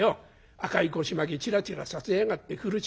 赤い腰巻きチラチラさせやがって風呂敷